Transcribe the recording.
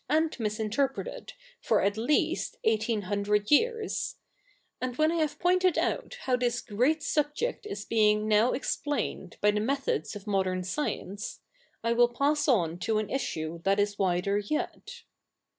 id misinterpreted for at least eighteen hundred years , and when I have poifited out how this great subject is being now explained by the methods of modern science^ I will pass on to an issue that is wider yet.